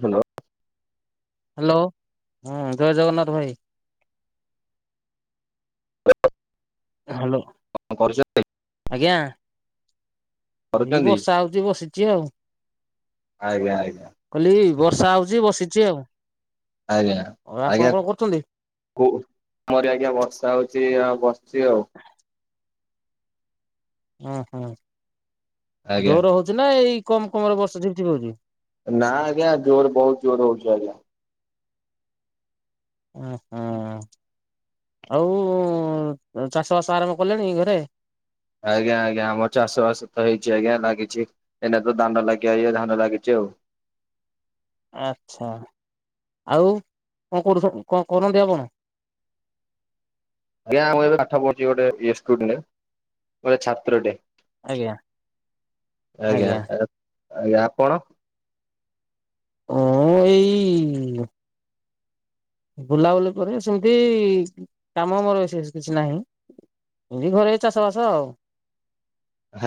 Hello. Hello ହଁ ଜୟ ଜଗନ୍ନାଥ ଭାଇ। ହାଲୋ। କଣ କରୁଛନ୍ତି? ଆଜ୍ଞା। ଏଇ କରୁଛନ୍ତି ବର୍ଷା ହଉଚି ବସିଚି ଆଉ। ଆଜ୍ଞା ଆଜ୍ଞା କହିଲି ବର୍ଷା ହଉଚି ବସିଚି ଆଉ। ଆଜ୍ଞା ଆଉ ଆପଣ ଆଜ୍ଞା। କଣ କରୁଛନ୍ତି? ଓ ଆମରି ଆଜ୍ଞା ବର୍ଷା ହଉଚି ଆଉ ବସିଚି ଆଉ। ଓହୋ, ଆଜ୍ଞା ଜୋର ହଉଚି ନା ଏଇ କମ୍ କମରେ ବର୍ଷା ଝିପଝିପ ହଉଚି? ନା ଆଜ୍ଞା ଜୋର ବହୁତ ଜୋର ହଉଚି ଆଜ୍ଞା। ଓ ହଁ ଆଉ ଚାଷ ବାସ ଆରମ୍ଭ କଲେଣି ଘରେ? ଆଜ୍ଞା ଆଜ୍ଞା ଆମର ଚାଷ ବାସ ତ ହେଇଚି ଆଜ୍ଞା ଲାଗିଛି। ଏଇନା ତ ଧାନ ଲାଗିଆ ଇଏ ଧାନ ଲାଗିଚି ଆଉ। ଆଚ୍ଛା ଆଉ କଁ କରୁଛନ୍ତି କଁ କରନ୍ତି ଆପଣ? ଆଜ୍ଞା ମୁଁ ଏବେ ପାଠ ପଢୁଚେ ଗୋଟେ [unintelligible] ଗୋଟେ ଛାତ୍ରଟେ। ଆଜ୍ଞା ଆଜ୍ଞା, ଆଜ୍ଞା ଆପଣ? ମୁଁ ଏଇ ବୁଲାବୁଲି କରେ ସେମତି କାମ ମୋର ବିଶେଷ କିଛି ନାହିଁ। ଏନ୍ତି ଘରେ ଚାଷବାସ ଆଉ।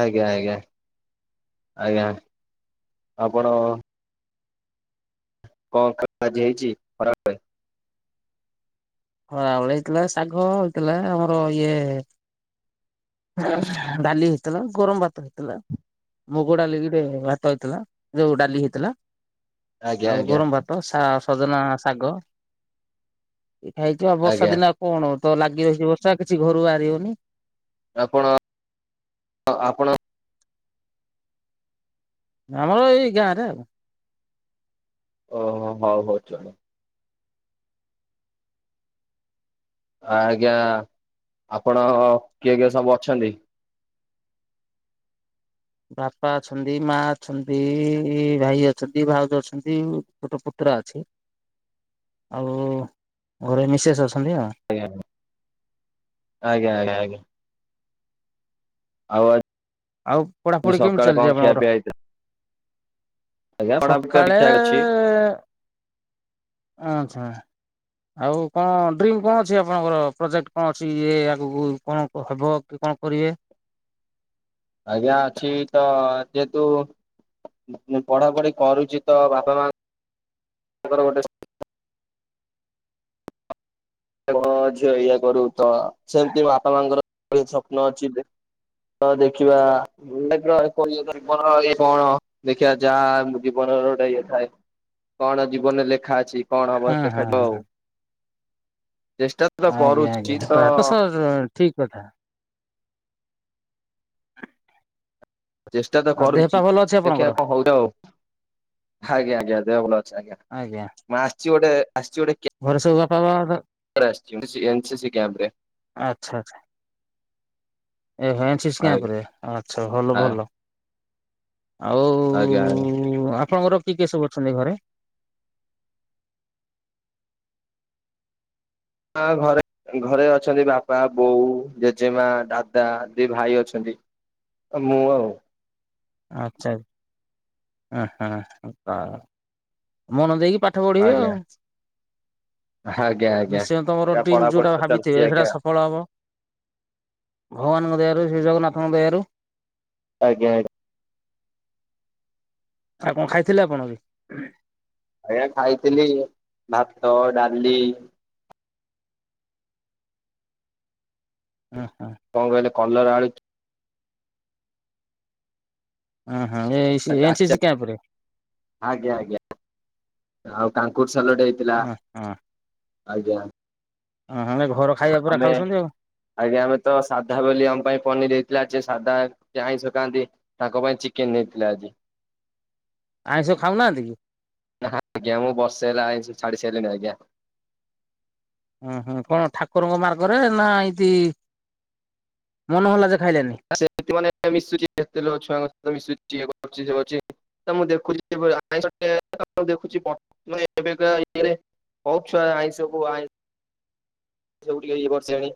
ଆଜ୍ଞା ଆଜ୍ଞା ଆଜ୍ଞା। ଆପଣ କଁ ଖାଇବା ଆଜି ହେଇଚି ଖରାବେଳେ? ଖରାବେଳେ ହେଇଥିଲା ଶାଗ ହେଇଥିଲା ଆମର ଇଏ ଡାଲି ହେଇଥିଲା ଗରମ ଭାତ ହେଇଥିଲା। ମୁଗ ଡାଲିକିରେ ଭାତ ହେଇଥିଲା ଯୋଉ ଡାଲି ହେଇଥିଲା। ଆଜ୍ଞା ଆଉ ଆଜ୍ଞା ଗରମ ଭାତ ସା ସଜନା ଶାଗ। ଏଇ ଖାଇଛ ଆଉ ବର୍ଷା ଆଜ୍ଞା ଦିନେ ଆଉ କଣ ତ ଲାଗି ରହିଚି ବର୍ଷା କିଛି ଘରୁ ବାହାରି ହଉନି। ଆପଣ ଆପଣ ଆମର ଏଇ ଗାଁରେ ଆଉ। ଓହୋ ହଉ ହଉ ଚଲ। ଆଜ୍ଞା ଆପଣ କିଏ କିଏ ସବୁ ଅଛନ୍ତି? ବାପା ଅଛନ୍ତି, ମା ଅଛନ୍ତି, ଭାଇ ଅଛନ୍ତି, ଭାଉଜ ଅଛନ୍ତି, ଗୋଟେ ପୁତୁରା ଅଛି। [inaudible] ଆଉ ଘରେ ମିସେସ୍ ଅଛନ୍ତି ଆଉ। ଆଜ୍ଞାା ଆଜ୍ଞା ଆଜ୍ଞା ଆଜ୍ଞା। ଆଉ ଆଉ ପଢାପଢି ଆ କେମିତି ସକାଳେ ଚାଲିଛି କଁ ଖିଆ ଆପଣଙ୍କର? ପିଆ ହେଇଥିଲା? ଆଜ୍ଞା [unintelligible] ଠିକ ଠାକ ଅଛି। ହଁ। ଆଚ୍ଛା। ଆଉ କଁ ଡ୍ରିମ୍ କଁ ଅଛି ଆପଣଙ୍କର ପ୍ରୋଜେକ୍ଟ କଁ ଅଛି ଇଏ ଆଗକୁ କଁ ହେବ କି କଁ କରିବେ? ଆଜ୍ଞା ଅଛି ତ ଯେହେତୁ ମୁଁ ପଢାପଢି କରୁଚି ତ ବାପା ମା ଙ୍କର ଗୋଟେ ତାଙ୍କ ଝିଅ ଏଇଆ କରୁ ତ ସେମିତି ବାପା ମାଙ୍କର ସ୍ୱପ୍ନ ଅଛି ତ ଦେଖିବା [unintelligible] ଇଏ କଣ ଦେଖିବା ଯାହା ଜୀବନର ଗୋଟେ ଇଏ ଥାଏ। କଣ ଜୀବନରେ ଲେଖା ଅଛି କଣ ହବ ହଁ ଦେଖାଯିବ ହଁ ଆଉ। ଚେଷ୍ଟା ତ ଆଜ୍ଞା କରୁଛି ଆଜ୍ଞା ତ ତ ସ ଠିକ କଥା। ଚେଷ୍ଟା ତ ଆଉ ଦେହ ପା କରୁଚି ଭଲ ଅଛି ଆପଣଙ୍କର? ଦେଖିଆ କଁ ହଉଚି ଆଉ। ଆଜ୍ଞା ଆଜ୍ଞା ଦେହ ଭଲ ଅଛି ଆଜ୍ଞା, ମୁ ଆସିଛି ଗୋଟେ ଆସିଛି ଗୋଟେ କେ ଘରେ ସବୁ ବାପା ମାଆ [unintelligible] [inaudible] ଆସିଚି ମୁଁ ସିସି ଏନସିସି କ୍ୟାମ୍ପରେ। ଆଚ୍ଛା ଆଚ୍ଛା ଏ ହେଷଏନସିସି ଆଜ୍ଞା କ୍ୟାମ୍ପରେ ଆଚ୍ଛା ଭଲ ଭଲ, ଆଉ ଆଜ୍ଞା, ଆଜ୍ଞା। ଉ, ଆପଣଙ୍କର କିଏ କିଏ ସବୁ ଅଛନ୍ତି ଘରେ? ହଁ ଘରେ ଘରେ ଅଛନ୍ତି ବାପା, ବୋଉ, ଜେଜେମା ଦାଦା, ଦି ଭାଇ ଅଛନ୍ତି। ଅ, ମୁୁଁ ଆଉ। ଆଚ୍ଛା ଓ, ହଁ [inaudible] ମନ ଦେଇକି ପାଠ ପଢିବେ ଆଜ୍ଞା ଆଉ। ଆଜ୍ଞା ଆଜ୍ଞା। ନିଶ୍ଚୟ ତୋମର ଆଜ୍ଞା ଡ୍ରିମ୍ ପଢାପଢି ଯୋଉଟା ତ ଚାଲିଛି ଭାବିଥିବେ ସେଟା ଆଜ୍ଞା ସଫଳ ହବ। ଭଗବାନଙ୍କ ଦୟାରୁ, ଶ୍ରୀ ଜଗନ୍ନାଥଙ୍କ ଦୟାରୁ। ଆଜ୍ଞା ଆ [inaudible] ଆଉ କଣ ଖାଇଥିଲେ ଆପଣ ବି? ଆଜ୍ଞା ଖାଇଥିଲି ଭାତ, ଡାଲି ଅଁ, ହଁ। କଣ କହିଲେ? କଲର ଆଳୁ ଅଁ, ହଁ ଏଇ [inaudible] ଆଚାର ଆଜ୍ଞା, ଆଜ୍ଞା ଆଉ କାଙ୍କୁର ସାଲଟ ହେଇ ଥିଲା, ଆଜ୍ଞା। ଅଁ, ହଁ ମାନେ ଘର ଖାଇବା ପୁରା ଆମେ ଖାଉସନ୍ତି ଆଉ। ଆଜ୍ଞା ଆମେ ତ ସାଧା ବୋଲି ଆମ ପାଇଁ ପନିର୍ ହେଇଥିଲା। ଯିଏ ସାଧା ଯିଏ ଆଇଁଷ କାଆନ୍ତି ତାଙ୍କ ପାଇଁ ଚିକେନ୍ ନେଇଥିଲା ଆଜି। ଆଇଁଷ ଖାଉନାହାନ୍ତି କି? ନା ଆଜ୍ଞା, ମୁଁ ବର୍ଷେ ହେଲା ଆଇଁଷ ଛାଡି ସାଇଲିଣି ଆଜ୍ଞା। ଅଁ, ହଁ କଣ ଠାକୁରଙ୍କ ମାର୍ଗରେ ନା, ଏଇତି ମନ ହେଲା ଯେ ଖାଇଲେ ସେମତି ମାନେ ମିଶୁଚି ଏତେ ଲ-ଛୁଆଙ୍କ ସହିତ ମିଶୁଚି ଇଏ କରୁଚି ସିଏ କରିଚି। ତ ମୁଁ ଦେଖୁଚି [inaudible] ଆଇଁଷ ଟେ [inaudible] ଦେଖୁଚି ପ- ମାନେ ଏବେକା ଇଏରେ ହପ୍ ଛୁଆ ଆଇଁଷ କୁ ଆଇଁ ସବୁ ଟିକେ ଇଏ କରସାଇଲେ।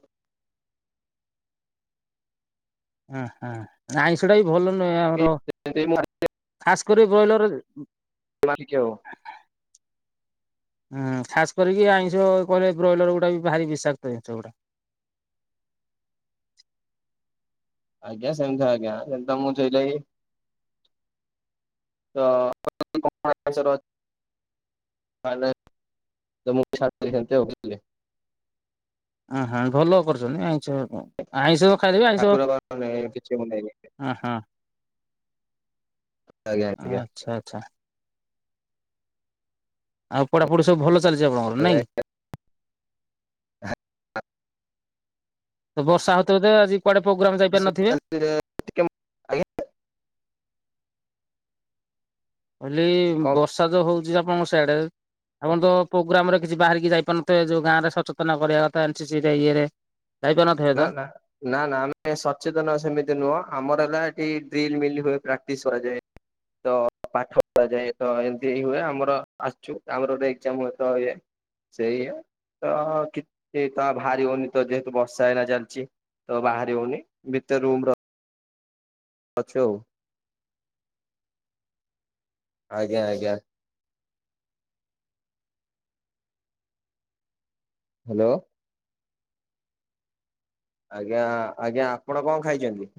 ଅଁ, ହଁ ନା ଆଇଁଷି ଟା ବି ଭଲ ନୁହେଁ ଆମର ଖାସ୍ କରି ବ୍ରଏଲର୍ [unintelligible] ହବ। ଉଁ, ଖାସ୍ କରିକି ଆଇଁଷ କହିଲେ ଏ ବ୍ରଏଲର୍ ଗୁଡା ବି ଭାରି ବିଷାକ୍ତ ଜିନିଷ ଗୁଡା। ଆଜ୍ଞା ସେମିତି ଆଜ୍ଞା ସେମିତି ତ ମୁଁ ସେଇ ଲାଗି ତ [inaudible] ମାନେ ତ ମୁଁ ଛାଡିଦେଲି ସେମତି ଆଉ ବୁଝିଲେ। ଅଁ, ହଁ ଭଲ କରଛନ୍ତି ଆଇଁଷ ଆଇଁଷ ଖାଇଲେ ବି ଆଇଁଷ ଓ ଠାକୁର ମାନେ କିଛି ମନେଇବେ ହଁ। ଆଜ୍ଞା। ଆଜ୍ଞା ଆଚ୍ଛା, ଆଚ୍ଛା। ଆଉ ପଢାପଢି ସବୁ ଭଲ ଚାଲିଚି ଆପଣଙ୍କର ନାଇଁ କି? ହଁ। ତ ବର୍ଷା ହଉଥିବ ତ ଆଜି କୁଆଡେ ପ୍ରୋଗ୍ରାମ୍ ଯାଇପାରିି ନଥିବେ? [inaudible] କହିଲି କଣ ବର୍ଷା ତ ହଉଚି ଆପଣଙ୍କ ସିଆଡେ। ଆପଣ ତ ପ୍ରୋଗ୍ରାମ୍ ରେ କିଛି ବାହାରିକି ଯାଇପାରୁନଥିବେ ଯୋଉ ଗାଁରେ ସଚେତନ କରିବା କଥା ଏନସିସି ରେ ଇଏରେ। ଯାଇପାରୁନଥିବେ ତ? ନା, ନା। ନା, ନା ଆମେ ସଚେତନ ସେମିତି ନୁହଁ, ଆମର ହେଲା ଏଠି ଡ୍ରିଲ୍ ମିଲ୍ ହୁଏ ପ୍ରାକ୍ଟିସ୍ କରାଯାଏ। ତ ପାଠ ପଢାଯାଏ ତ ଏମତି ହିଁ ହୁଏ। ଆମର ଆସିଛୁ ଆମର ଗୋଟେ ଏକ୍ଜାମ୍ ହୁଏ ତ ଇଏ। ସେଇଆ ତ କିଛି ତ ଭାରି ହଉନି ତ ଯେହେତୁ ବର୍ଷ ଷା ଏଇନା ଚାଲିଛି ତ ବାହାରି ହଉନି ଭିତରେ ରୁମ୍ ର ଆଚ୍ଛା ଆଉ ଆଜ୍ଞା ଆଜ୍ଞା। ହାଲୋ। ଆଜ୍ଞା ଆଜ୍ଞା ଆପଣ କଣ ଖାଇଛନ୍ତି?